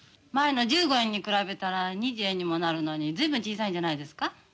前の１５円に比べたら２０円にもなるのに随分小さいんじゃないですか？